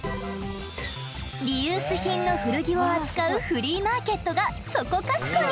リユース品の古着を扱うフリーマーケットがそこかしこに！